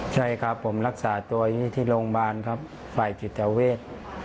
ใช่ครับผมรักษาตัวอยู่ที่โรงพยาบาลครับฝ่ายจิตเวท